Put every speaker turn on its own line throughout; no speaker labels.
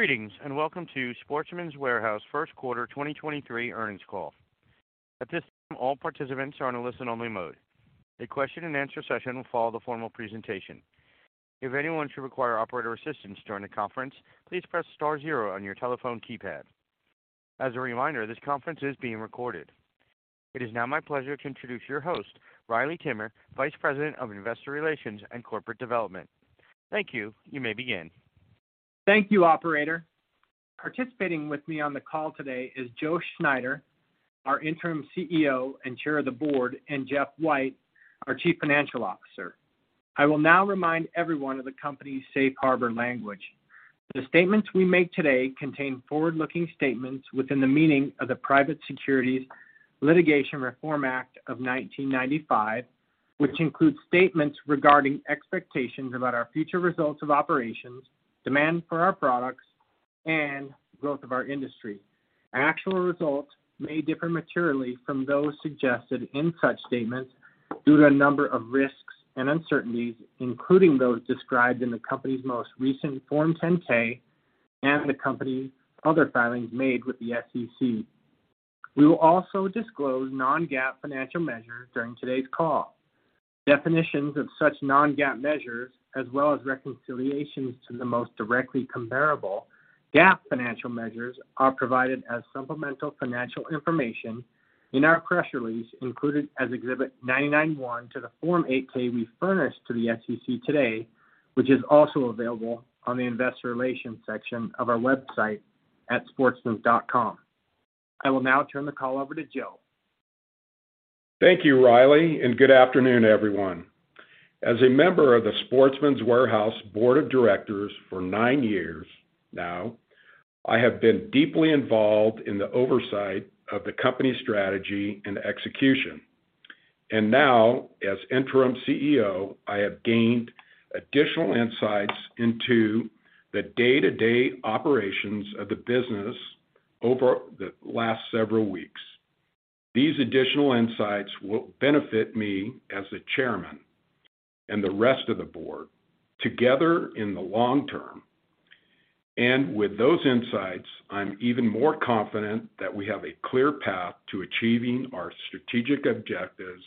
Greetings, welcome to Sportsman's Warehouse first quarter 2023 earnings call. At this time, all participants are on a listen-only mode. A question-and-answer session will follow the formal presentation. If anyone should require operator assistance during the conference, please press star zero on your telephone keypad. As a reminder, this conference is being recorded. It is now my pleasure to introduce your host, Riley Timmer, Vice President of Investor Relations and Corporate Development. Thank you. You may begin.
Thank you, operator. Participating with me on the call today is Joseph Schneider, our Interim CEO and Chair of the Board, and Jeff White, our Chief Financial Officer. I will now remind everyone of the company's safe harbor language. The statements we make today contain forward-looking statements within the meaning of the Private Securities Litigation Reform Act of 1995, which includes statements regarding expectations about our future results of operations, demand for our products, and growth of our industry. Actual results may differ materially from those suggested in such statements due to a number of risks and uncertainties, including those described in the company's most recent Form 10-K and the company's other filings made with the SEC. We will also disclose non-GAAP financial measures during today's call. Definitions of such non-GAAP measures, as well as reconciliations to the most directly comparable GAAP financial measures, are provided as supplemental financial information in our press release, included as Exhibit 99.1 to the Form 8-K we furnished to the SEC today, which is also available on the investor relations section of our website at sportsmans.com. I will now turn the call over to Joe.
Thank you, Riley. Good afternoon, everyone. As a member of the Sportsman's Warehouse Board of Directors for nine years now, I have been deeply involved in the oversight of the company's strategy and execution. Now, as interim CEO, I have gained additional insights into the day-to-day operations of the business over the last several weeks. These additional insights will benefit me as the chairman and the rest of the board together in the long term. With those insights, I'm even more confident that we have a clear path to achieving our strategic objectives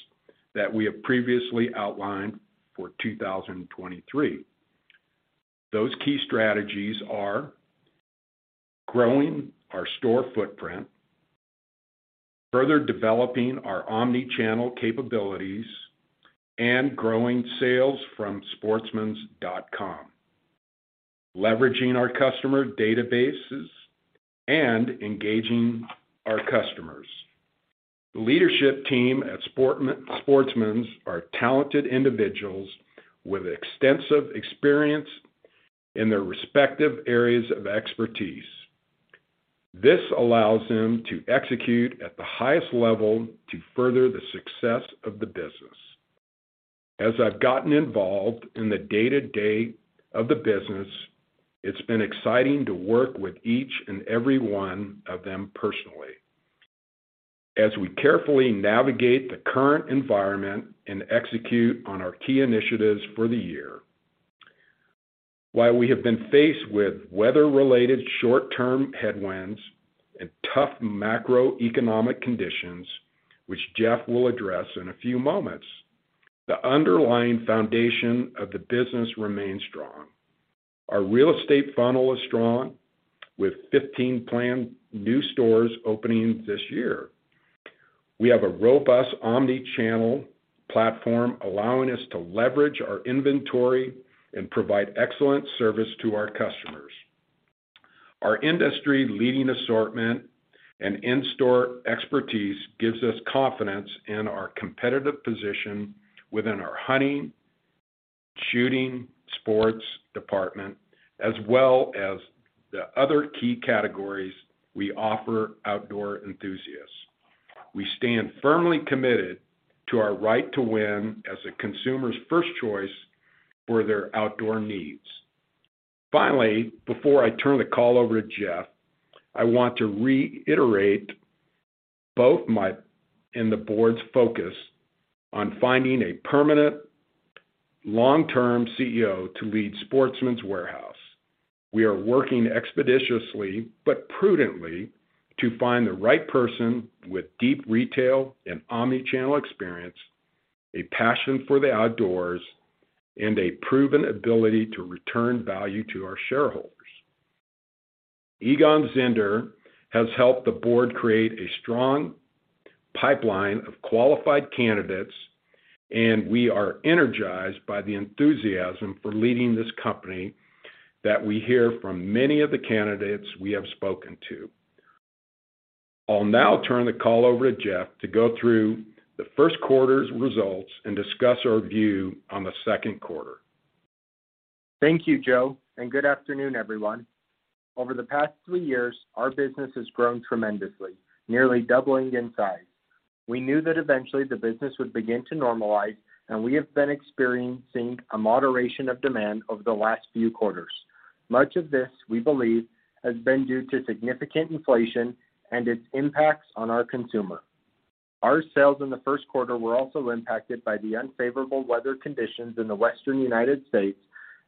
that we have previously outlined for 2023. Those key strategies are growing our store footprint, further developing our omni-channel capabilities, and growing sales from sportsmans.com, leveraging our customer databases and engaging our customers. The leadership team at Sportsman's are talented individuals with extensive experience in their respective areas of expertise. This allows them to execute at the highest level to further the success of the business. As I've gotten involved in the day-to-day of the business, it's been exciting to work with each and every one of them personally as we carefully navigate the current environment and execute on our key initiatives for the year. While we have been faced with weather-related short-term headwinds and tough macroeconomic conditions, which Jeff will address in a few moments, the underlying foundation of the business remains strong. Our real estate funnel is strong, with 15 planned new stores opening this year. We have a robust omni-channel platform, allowing us to leverage our inventory and provide excellent service to our customers. Our industry-leading assortment and in-store expertise gives us confidence in our competitive position within our hunting, shooting, sports department, as well as the other key categories we offer outdoor enthusiasts. We stand firmly committed to our right to win as a consumer's first choice for their outdoor needs. Before I turn the call over to Jeff, I want to reiterate both my and the board's focus on finding a permanent long-term CEO to lead Sportsman's Warehouse. We are working expeditiously but prudently to find the right person with deep retail and omni-channel experience, a passion for the outdoors, and a proven ability to return value to our shareholders. Egon Zehnder has helped the board create a strong pipeline of qualified candidates. We are energized by the enthusiasm for leading this company that we hear from many of the candidates we have spoken to. I'll now turn the call over to Jeff to go through the first quarter's results and discuss our view on the second quarter.
Thank you, Joe, and good afternoon, everyone. Over the past three years, our business has grown tremendously, nearly doubling in size. We knew that eventually the business would begin to normalize, and we have been experiencing a moderation of demand over the last few quarters. Much of this, we believe, has been due to significant inflation and its impacts on our consumer. Our sales in the first quarter were also impacted by the unfavorable weather conditions in the Western United States,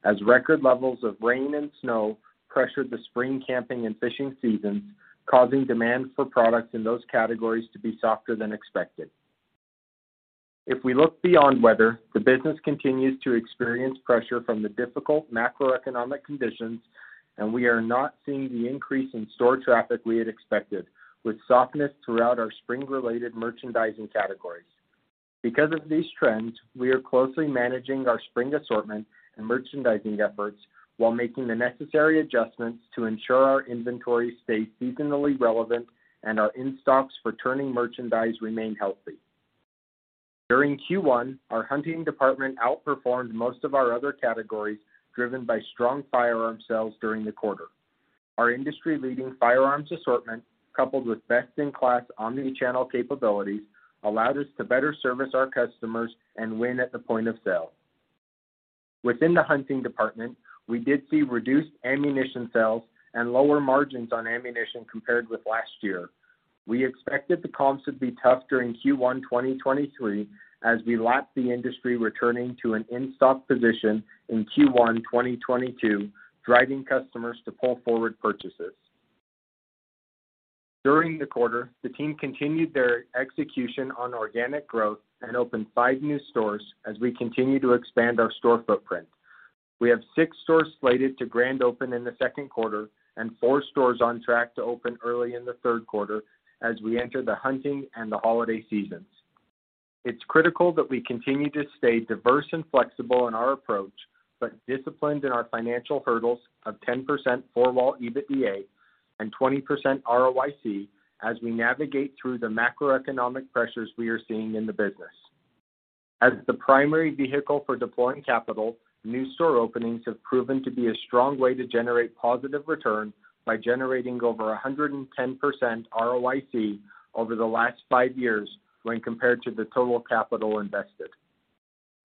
as record levels of rain and snow pressured the spring camping and fishing seasons, causing demand for products in those categories to be softer than expected. If we look beyond weather, the business continues to experience pressure from the difficult macroeconomic conditions, and we are not seeing the increase in store traffic we had expected, with softness throughout our spring-related merchandising categories. Because of these trends, we are closely managing our spring assortment and merchandising efforts while making the necessary adjustments to ensure our inventory stays seasonally relevant and our in-stocks for turning merchandise remain healthy. During Q1, our hunting department outperformed most of our other categories, driven by strong firearm sales during the quarter. Our industry-leading firearms assortment, coupled with best-in-class omni-channel capabilities, allowed us to better service our customers and win at the point of sale. Within the hunting department, we did see reduced ammunition sales and lower margins on ammunition compared with last year. We expected the comps to be tough during Q1 2023, as we lapped the industry, returning to an in-stock position in Q1 2022, driving customers to pull forward purchases. During the quarter, the team continued their execution on organic growth and opened five new stores as we continue to expand our store footprint. We have six stores slated to grand open in the second quarter and four stores on track to open early in the third quarter as we enter the hunting and the holiday seasons. It's critical that we continue to stay diverse and flexible in our approach, but disciplined in our financial hurdles of 10% for four wall EBITDA and 20% ROIC as we navigate through the macroeconomic pressures we are seeing in the business. As the primary vehicle for deploying capital, new store openings have proven to be a strong way to generate positive return by generating over 110% ROIC over the last five years when compared to the total capital invested.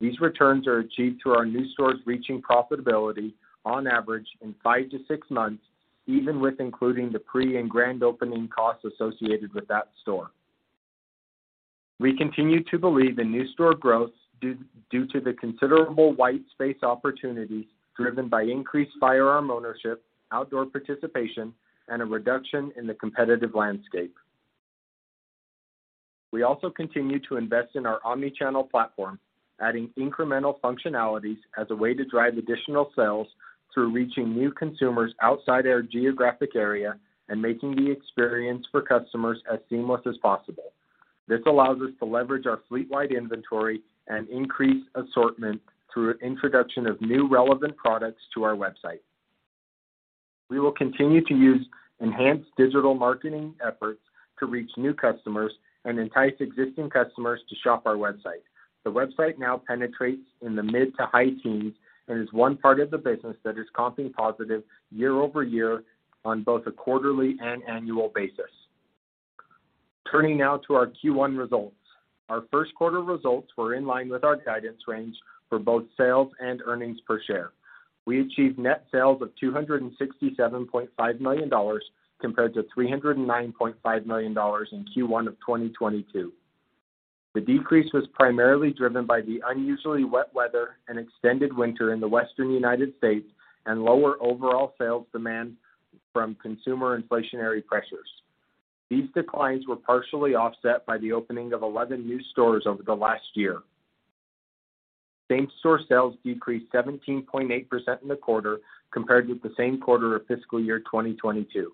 These returns are achieved through our new stores reaching profitability on average in 5-6 months, even with including the pre and grand opening costs associated with that store. We continue to believe in new store growth due to the considerable white space opportunities driven by increased firearm ownership, outdoor participation, and a reduction in the competitive landscape. We also continue to invest in our omni-channel platform, adding incremental functionalities as a way to drive additional sales through reaching new consumers outside our geographic area and making the experience for customers as seamless as possible. This allows us to leverage our fleet-wide inventory and increase assortment through introduction of new relevant products to our website. We will continue to use enhanced digital marketing efforts to reach new customers and entice existing customers to shop our website. The website now penetrates in the mid to high teens and is one part of the business that is comping positive year-over-year on both a quarterly and annual basis. Turning now to our Q1 results. Our first quarter results were in line with our guidance range for both sales and earnings per share. We achieved net sales of $267.5 million, compared to $309.5 million in Q1 of 2022. The decrease was primarily driven by the unusually wet weather and extended winter in the Western United States and lower overall sales demand from consumer inflationary pressures. These declines were partially offset by the opening of 11 new stores over the last year. Same-store sales decreased 17.8% in the quarter compared with the same quarter of fiscal year 2022.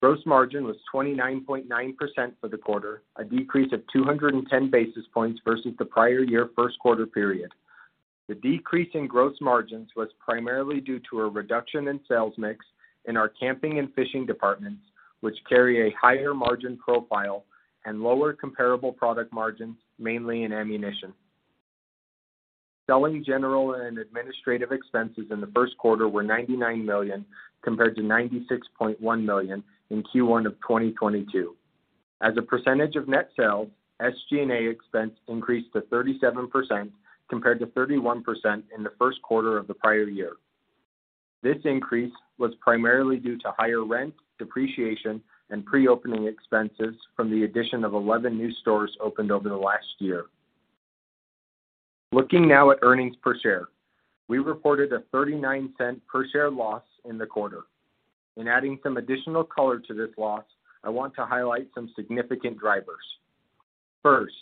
Gross margin was 29.9% for the quarter, a decrease of 210 basis points versus the prior year first quarter period. The decrease in gross margins was primarily due to a reduction in sales mix in our camping and fishing departments, which carry a higher margin profile and lower comparable product margins, mainly in ammunition. Selling, general, and administrative expenses in the first quarter were $99 million, compared to $96.1 million in Q1 of 2022. As a percentage of net sales, SG&A expense increased to 37%, compared to 31% in the first quarter of the prior year. This increase was primarily due to higher rent, depreciation, and pre-opening expenses from the addition of 11 new stores opened over the last year. Looking now at earnings per share, we reported a $0.39 per share loss in the quarter. In adding some additional color to this loss, I want to highlight some significant drivers. First,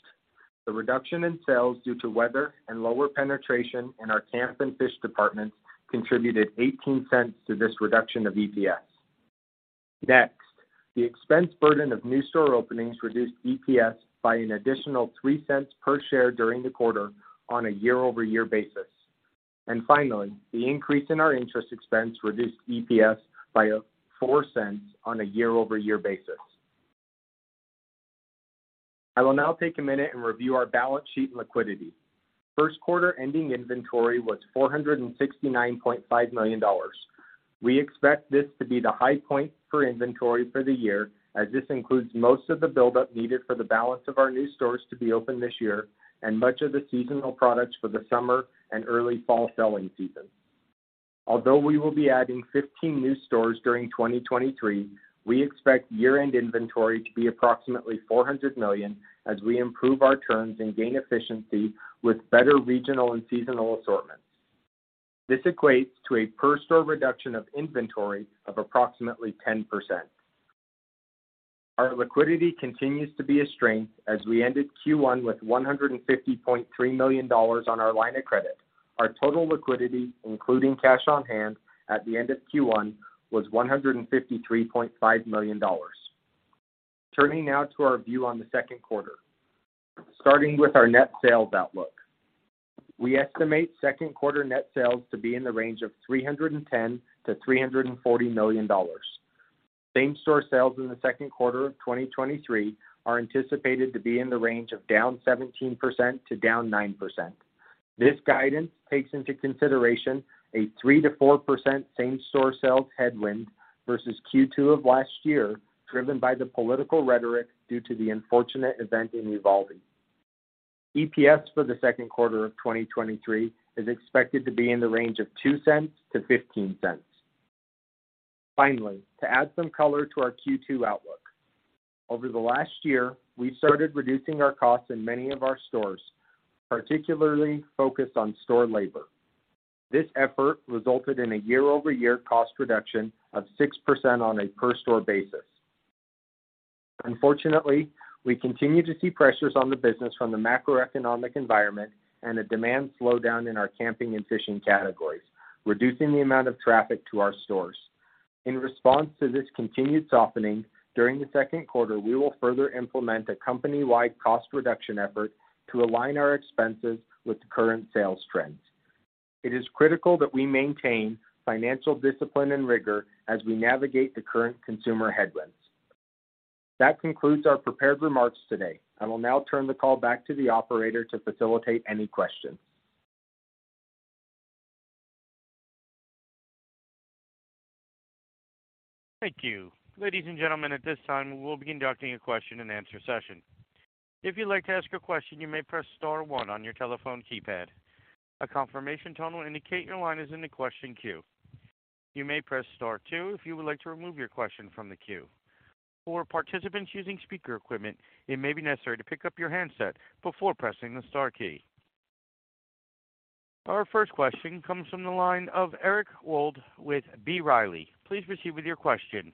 the reduction in sales due to weather and lower penetration in our camp and fish departments contributed $0.18 to this reduction of EPS. Next, the expense burden of new store openings reduced EPS by an additional $0.03 per share during the quarter on a year-over-year basis. Finally, the increase in our interest expense reduced EPS by $0.04 on a year-over-year basis. I will now take a minute and review our balance sheet and liquidity. First quarter ending inventory was $469.5 million. We expect this to be the high point for inventory for the year, as this includes most of the buildup needed for the balance of our new stores to be open this year and much of the seasonal products for the summer and early fall selling season. Although we will be adding 15 new stores during 2023, we expect year-end inventory to be approximately $400 million as we improve our terms and gain efficiency with better regional and seasonal assortments. This equates to a per store reduction of inventory of approximately 10%. Our liquidity continues to be a strength as we ended Q1 with $150.3 million on our line of credit. Our total liquidity, including cash on hand at the end of Q1, was $153.5 million. Turning now to our view on the second quarter. Starting with our net sales outlook. We estimate second quarter net sales to be in the range of $310 million-$340 million. Same-store sales in the second quarter of 2023 are anticipated to be in the range of down 17% to down 9%. This guidance takes into consideration a 3%-4% same-store sales headwind versus Q2 of last year, driven by the political rhetoric due to the unfortunate event in Uvalde. EPS for the second quarter of 2023 is expected to be in the range of $0.02-$0.15. To add some color to our Q2 outlook. Over the last year, we've started reducing our costs in many of our stores, particularly focused on store labor. This effort resulted in a year-over-year cost reduction of 6% on a per store basis. We continue to see pressures on the business from the macroeconomic environment and a demand slowdown in our camping and fishing categories, reducing the amount of traffic to our stores. In response to this continued softening, during the second quarter, we will further implement a company-wide cost reduction effort to align our expenses with the current sales trends. It is critical that we maintain financial discipline and rigor as we navigate the current consumer headwinds. That concludes our prepared remarks today, I will now turn the call back to the operator to facilitate any questions.
Thank you. Ladies and gentlemen, at this time, we will be conducting a question-and-answer session. If you'd like to ask a question, you may press star one on your telephone keypad. A confirmation tone will indicate your line is in the question queue. You may press star two if you would like to remove your question from the queue. For participants using speaker equipment, it may be necessary to pick up your handset before pressing the star key. Our first question comes from the line of Eric Wold with B. Riley. Please proceed with your question.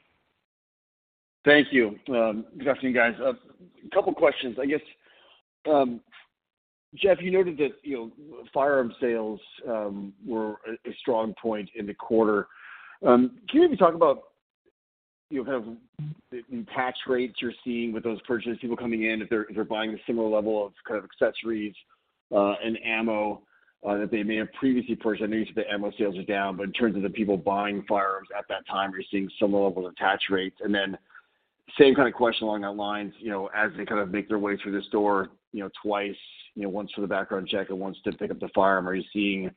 Thank you. Good afternoon, guys. A couple questions, I guess. Jeff, you noted that, you know, firearm sales, were a strong point in the quarter. Can you maybe talk about, you know, kind of the attach rates you're seeing with those purchases, people coming in, if they're buying a similar level of kind of accessories, and ammo, that they may have previously purchased? I know you said the ammo sales are down, but in terms of the people buying firearms at that time, you're seeing similar levels of attach rates. Same kind of question along that line, you know, as they kind of make their way through the store, you know, twice, you know, once for the background check and once to pick up the firearm, are you seeing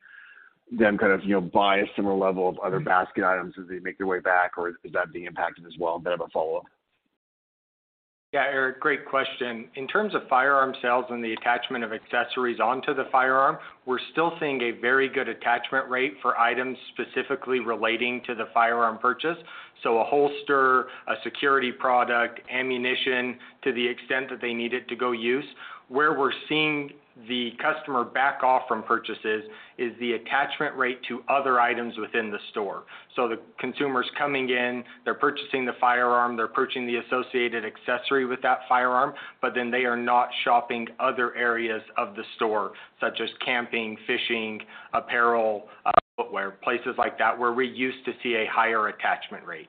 them kind of, you know, buy a similar level of other basket items as they make their way back, or is that being impacted as well? Bit of a follow-up.
Yeah, Eric, great question. In terms of firearm sales and the attachment of accessories onto the firearm, we're still seeing a very good attachment rate for items specifically relating to the firearm purchase. A holster, a security product, ammunition, to the extent that they need it to go use. Where we're seeing the customer back off from purchases is the attachment rate to other items within the store. The consumers coming in, they're purchasing the firearm, they're purchasing the associated accessory with that firearm, they are not shopping other areas of the store, such as camping, fishing, apparel, footwear, places like that, where we used to see a higher attachment rate.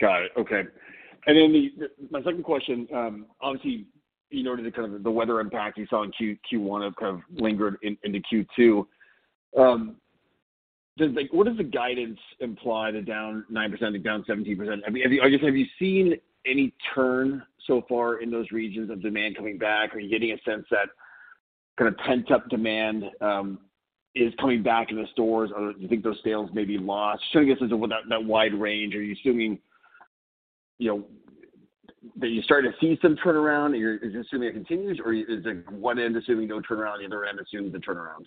Got it. Okay. My second question, obviously, you noted the kind of the weather impact you saw in Q1 have kind of lingered in, into Q2. What does the guidance imply the down 9%, the down 17%? I mean, have you, I guess, have you seen any turn so far in those regions of demand coming back? Are you getting a sense that kind of pent-up demand is coming back in the stores, or do you think those sales may be lost, showing us that wide range? Are you assuming, you know, that you're starting to see some turnaround, are you assuming it continues, or is it one end assuming no turnaround, the other end assumes the turnaround?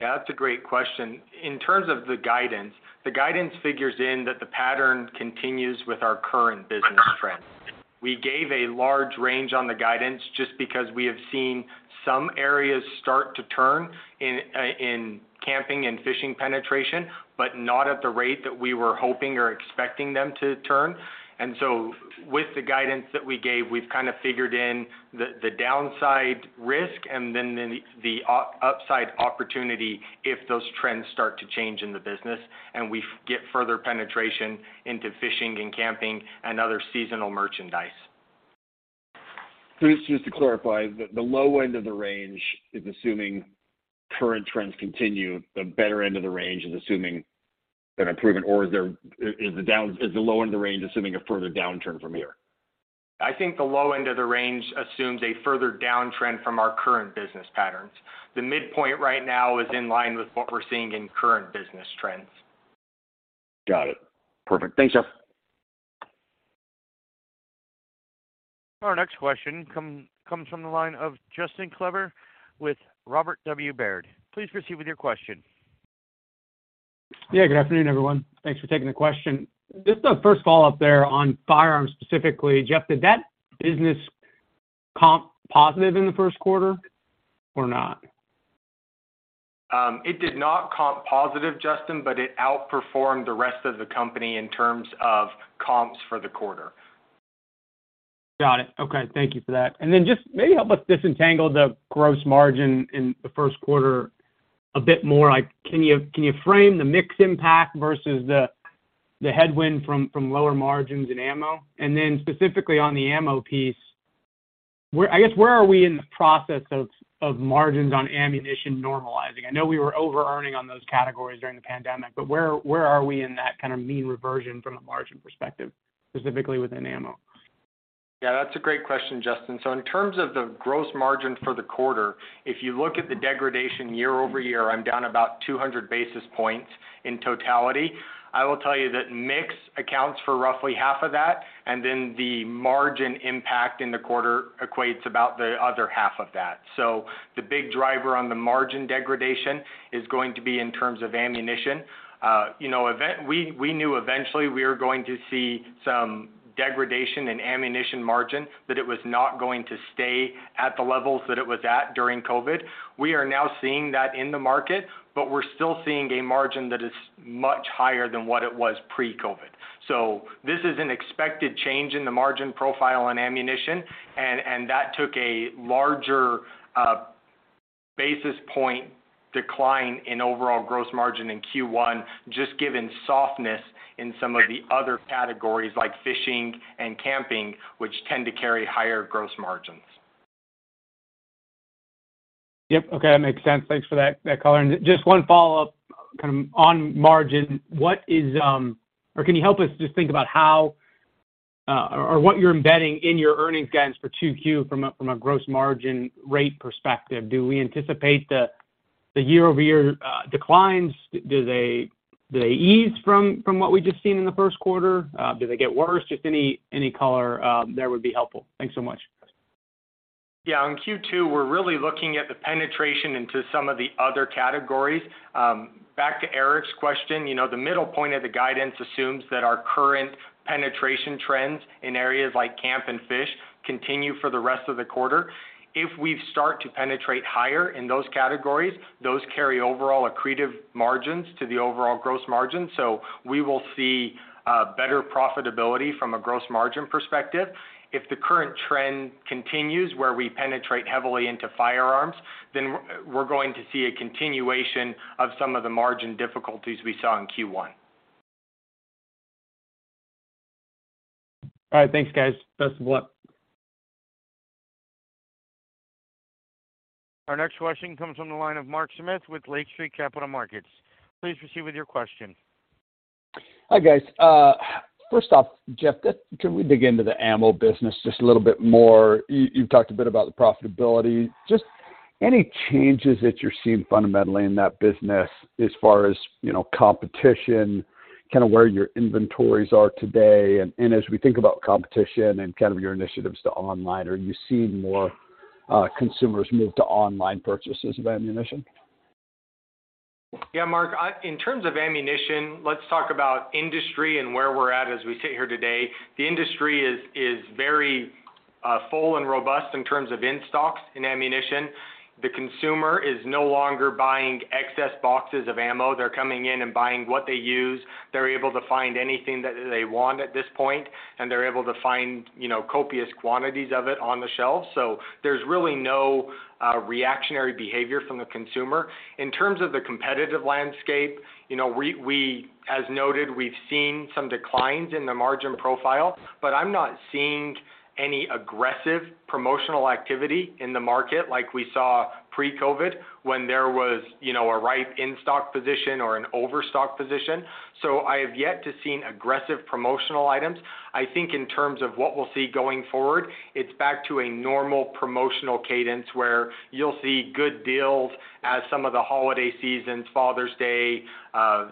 That's a great question. In terms of the guidance, the guidance figures in that the pattern continues with our current business trends. We gave a large range on the guidance just because we have seen some areas start to turn in camping and fishing penetration, but not at the rate that we were hoping or expecting them to turn. With the guidance that we gave, we've kind of figured in the downside risk and then the upside opportunity if those trends start to change in the business and we get further penetration into fishing and camping and other seasonal merchandise.
Just to clarify, the low end of the range is assuming current trends continue, the better end of the range is assuming an improvement, or is the low end of the range assuming a further downturn from here?
I think the low end of the range assumes a further downtrend from our current business patterns. The midpoint right now is in line with what we're seeing in current business trends.
Got it. Perfect. Thanks, Jeff.
Our next question comes from the line of Justin Kleber with Robert W. Baird. Please proceed with your question.
Yeah, good afternoon, everyone. Thanks for taking the question. Just a first follow-up there on firearms, specifically. Jeff, did that business comp positive in the first quarter or not?
It did not comp positive, Justin, but it outperformed the rest of the company in terms of comps for the quarter.
Got it. Okay, thank you for that. Then just maybe help us disentangle the gross margin in the first quarter a bit more. Like, can you frame the mix impact versus the headwind from lower margins in ammo? Then specifically on the ammo piece, I guess, where are we in the process of margins on ammunition normalizing? I know we were overearning on those categories during the pandemic, but where are we in that kind of mean reversion from a margin perspective, specifically within ammo?
That's a great question, Justin Kleber. In terms of the gross margin for the quarter, if you look at the degradation year-over-year, I'm down about 200 basis points in totality. I will tell you that mix accounts for roughly half of that, the margin impact in the quarter equates about the other half of that. The big driver on the margin degradation is going to be in terms of ammunition. You know, we knew eventually we were going to see some degradation in ammunition margin, that it was not going to stay at the levels that it was at during COVID. We are now seeing that in the market, we're still seeing a margin that is much higher than what it was pre-COVID. This is an expected change in the margin profile on ammunition, and that took a larger, basis point decline in overall gross margin in Q1, just given softness in some of the other categories like fishing and camping, which tend to carry higher gross margins.
Yep. Okay, that makes sense. Thanks for that color. Just one follow-up, kind of on margin. What is? Can you help us just think about how or what you're embedding in your earnings guidance for 2Q from a gross margin rate perspective? Do we anticipate the year-over-year declines? Do they ease from what we just seen in the first quarter? Do they get worse? Just any color that would be helpful. Thanks so much.
On Q2, we're really looking at the penetration into some of the other categories. back to Eric Wold's question, you know, the middle point of the guidance assumes that our current penetration trends in areas like camp and fish continue for the rest of the quarter. If we start to penetrate higher in those categories, those carry overall accretive margins to the overall gross margin. we will see better profitability from a gross margin perspective. If the current trend continues, where we penetrate heavily into firearms, we're going to see a continuation of some of the margin difficulties we saw in Q1.
All right. Thanks, guys. Best of luck.
Our next question comes from the line of Mark Smith with Lake Street Capital Markets. Please proceed with your question.
Hi, guys. First off, Jeff, just can we dig into the ammo business just a little bit more? You've talked a bit about the profitability. Just any changes that you're seeing fundamentally in that business as far as, you know, competition, kind of where your inventories are today? As we think about competition and kind of your initiatives to online, are you seeing more consumers move to online purchases of ammunition?
Yeah, Mark, in terms of ammunition, let's talk about industry and where we're at as we sit here today. The industry is very full and robust in terms of in-stocks in ammunition. The consumer is no longer buying excess boxes of ammo. They're coming in and buying what they use. They're able to find anything that they want at this point, and they're able to find, you know, copious quantities of it on the shelf. There's really no reactionary behavior from the consumer. In terms of the competitive landscape, you know, we, as noted, we've seen some declines in the margin profile, I'm not seeing any aggressive promotional activity in the market like we saw pre-COVID when there was, you know, a ripe in-stock position or an overstock position. I have yet to seen aggressive promotional items. I think in terms of what we'll see going forward, it's back to a normal promotional cadence where you'll see good deals as some of the holiday seasons, Father's Day,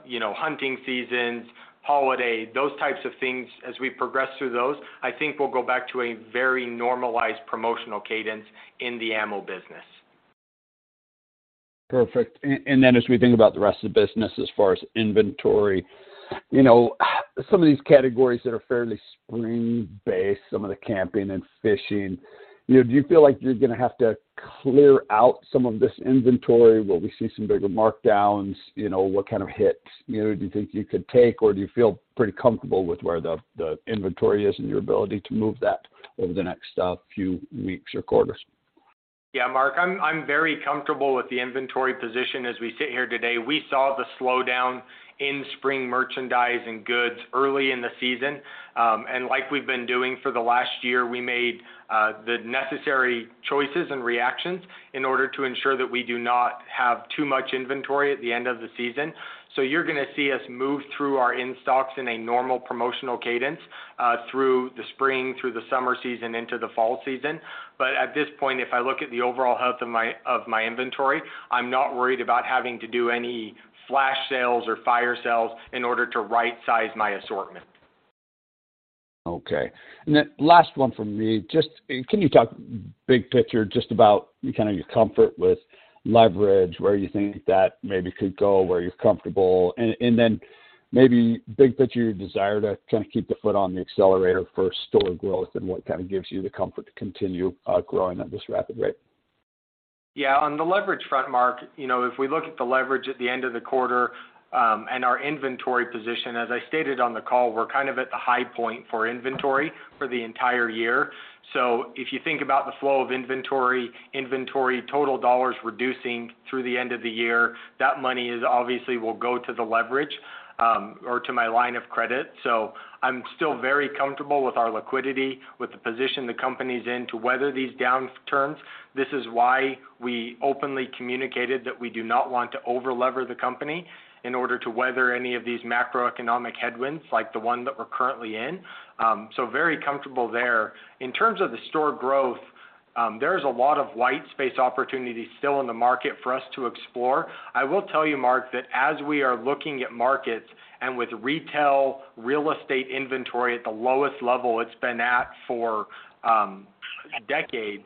you know, hunting seasons, holiday, those types of things. As we progress through those, I think we'll go back to a very normalized promotional cadence in the ammo business.
Perfect. Then as we think about the rest of the business, as far as inventory, you know, some of these categories that are fairly spring-based, some of the camping and fishing, you know, do you feel like you're gonna have to clear out some of this inventory? Will we see some bigger markdowns? You know, what kind of hits, you know, do you think you could take, or do you feel pretty comfortable with where the inventory is and your ability to move that over the next few weeks or quarters?
Mark, I'm very comfortable with the inventory position as we sit here today. We saw the slowdown in spring merchandise and goods early in the season. Like we've been doing for the last year, we made the necessary choices and reactions in order to ensure that we do not have too much inventory at the end of the season. You're gonna see us move through our in-stocks in a normal promotional cadence through the spring, through the summer season, into the fall season. At this point, if I look at the overall health of my inventory, I'm not worried about having to do any flash sales or fire sales in order to rightsize my assortment.
Okay, last one from me. Just, can you talk big picture just about kind of your comfort with leverage, where you think that maybe could go, where you're comfortable? Then maybe big picture, your desire to kind of keep the foot on the accelerator for store growth and what kind of gives you the comfort to continue growing at this rapid rate?
Yeah, on the leverage front, Mark, you know, if we look at the leverage at the end of the quarter, and our inventory position, as I stated on the call, we're kind of at the high point for inventory for the entire year. If you think about the flow of inventory, total dollars reducing through the end of the year, that money is obviously will go to the leverage, or to my line of credit. I'm still very comfortable with our liquidity, with the position the company's in to weather these downturns. This is why we openly communicated that we do not want to over-lever the company in order to weather any of these macroeconomic headwinds, like the one that we're currently in. Very comfortable there. In terms of the store growth, there's a lot of white space opportunities still in the market for us to explore. I will tell you, Mark, that as we are looking at markets and with retail real estate inventory at the lowest level it's been at for decades,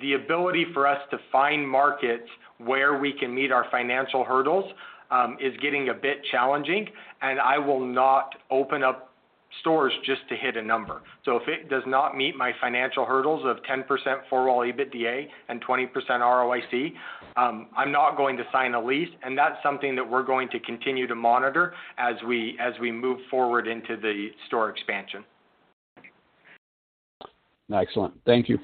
the ability for us to find markets where we can meet our financial hurdles, is getting a bit challenging. I will not open up stores just to hit a number. If it does not meet my financial hurdles of 10% for all EBITDA and 20% ROIC, I'm not going to sign a lease. That's something that we're going to continue to monitor as we move forward into the store expansion.
Excellent. Thank you.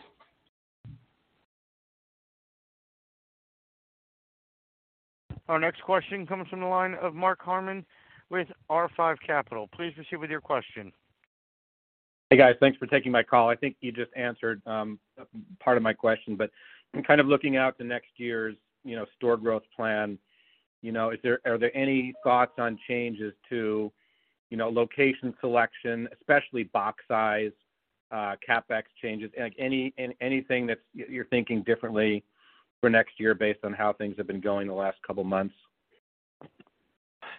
Our next question comes from the line of Mark Herrmann with R5 Capital. Please proceed with your question.
Hey, guys. Thanks for taking my call. I think you just answered, part of my question, but I'm kind of looking out to next year's, you know, store growth plan. You know, are there any thoughts on changes to, you know, location selection, especially box size, CapEx changes, and like, anything that's you're thinking differently for next year based on how things have been going the last couple of months?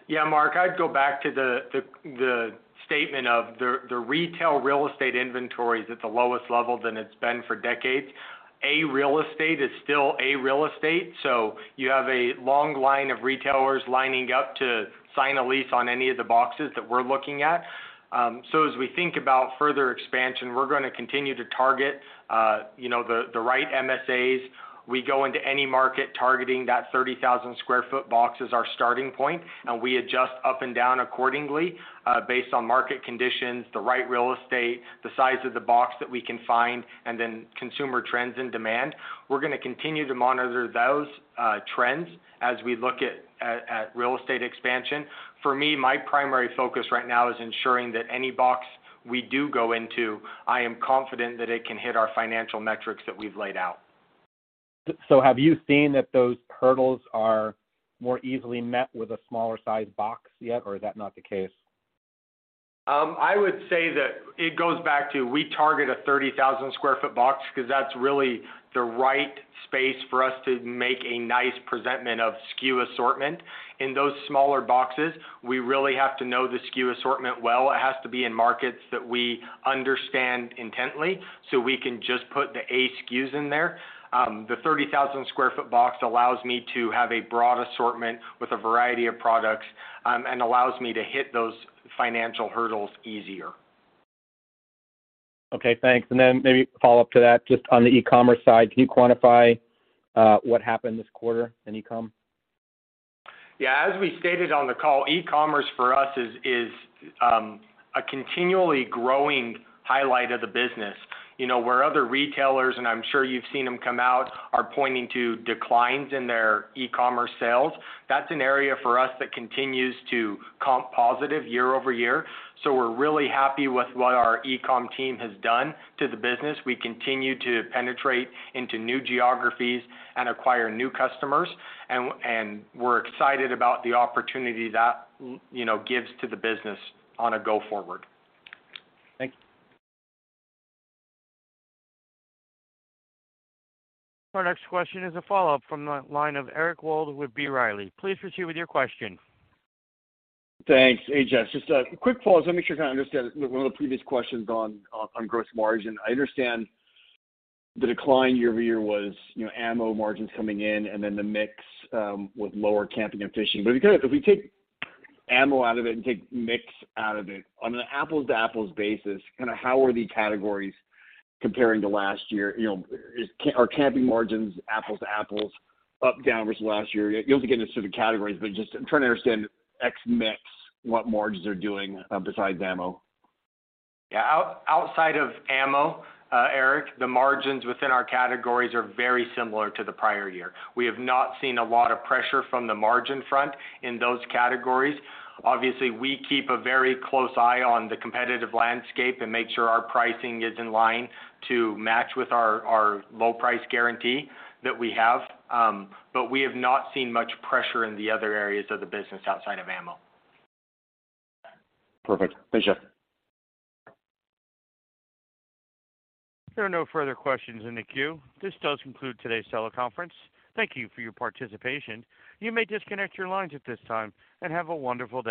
Yeah, Mark, I'd go back to the statement of the retail real estate inventory is at the lowest level than it's been for decades. A real estate is still A real estate, you have a long line of retailers lining up to sign a lease on any of the boxes that we're looking at. As we think about further expansion, we're gonna continue to target, you know, the right MSAs. We go into any market targeting that 30,000 sq ft box as our starting point, we adjust up and down accordingly, based on market conditions, the right real estate, the size of the box that we can find, consumer trends and demand. We're gonna continue to monitor those trends as we look at real estate expansion. For me, my primary focus right now is ensuring that any box we do go into, I am confident that it can hit our financial metrics that we've laid out.
Have you seen that those hurdles are more easily met with a smaller size box yet, or is that not the case?
I would say that it goes back to we target a 30,000 sq ft box because that's really the right space for us to make a nice presentment of SKU assortment. In those smaller boxes, we really have to know the SKU assortment well. It has to be in markets that we understand intently, so we can just put the A SKUs in there. The 30,000 sq ft box allows me to have a broad assortment with a variety of products, and allows me to hit those financial hurdles easier.
Okay, thanks. Then maybe a follow-up to that, just on the e-commerce side, can you quantify what happened this quarter in e-com?
As we stated on the call, e-commerce for us is a continually growing highlight of the business. You know, where other retailers, and I'm sure you've seen them come out, are pointing to declines in their e-commerce sales, that's an area for us that continues to comp positive year-over-year. We're really happy with what our e-com team has done to the business. We continue to penetrate into new geographies and acquire new customers, and we're excited about the opportunity that, you know, gives to the business on a go forward.
Thank you.
Our next question is a follow-up from the line of Eric Wold with B. Riley. Please proceed with your question.
Thanks. Hey, Jeff, just a quick pause. Let me make sure I understand one of the previous questions on gross margin. I understand the decline year-over-year was, you know, ammo margins coming in and then the mix with lower camping and fishing. If you could, if we take ammo out of it and take mix out of it, on an apples-to-apples basis, kind of how are the categories comparing to last year? You know, are camping margins, apples-to-apples, up, down versus last year? You don't have to get into specific categories, but just I'm trying to understand ex mix, what margins are doing besides ammo.
Yeah, outside of ammo, Eric, the margins within our categories are very similar to the prior year. We have not seen a lot of pressure from the margin front in those categories. Obviously, we keep a very close eye on the competitive landscape and make sure our pricing is in line to match with our low price guarantee that we have. We have not seen much pressure in the other areas of the business outside of ammo.
Perfect. Thanks, Jeff.
There are no further questions in the queue. This does conclude today's teleconference. Thank you for your participation. You may disconnect your lines at this time, and have a wonderful day.